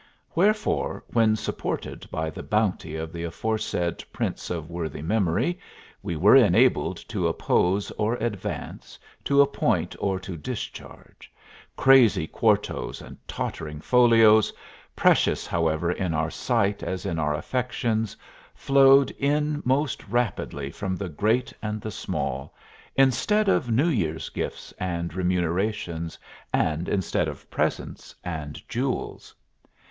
Wherefore, when supported by the bounty of the aforesaid prince of worthy memory, we were enabled to oppose or advance, to appoint or to discharge; crazy quartos and tottering folios, precious however in our sight as in our affections, flowed in most rapidly from the great and the small, instead of new year's gifts and remunerations, and instead of presents and jewels.